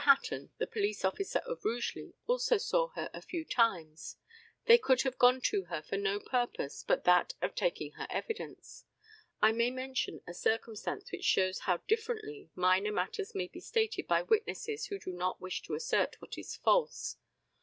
Hatton, the police officer of Rugeley, also saw her a few times. They could have gone to her for no purpose but that of taking her evidence. I may mention a circumstance which shows how differently minor matters may be stated by witnesses who do not wish to assert what is false.